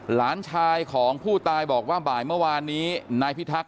หลานชายของผู้ตายบอกว่าบ่ายเมื่อวานนี้นายพิทักษ